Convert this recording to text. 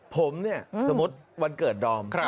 ผมเนี่ยสมมุติวันเกิดดอม